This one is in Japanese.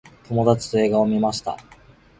友達と映画を観ました。